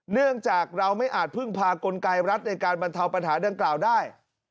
เนื่องจากเราไม่อาจพึ่งพากลไกรัฐในการบรรเทาปัญหาดังกล่าวได้